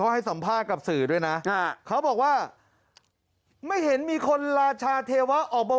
ให้สัมภาษณ์กับสื่อด้วยนะเขาบอกว่าไม่เห็นมีคนราชาเทวะออกมา